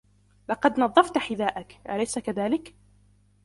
لقد نظفت حذائك ، أليس كذلك ؟